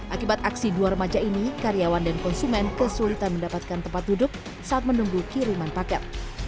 akibat aksi dua remaja ini karyawan dan konsumen kesulitan mendapatkan tempat duduk saat menunggu kiriman paket